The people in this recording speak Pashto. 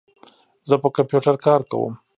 زه په کمپیوټر کار کوم.